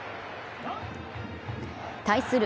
対する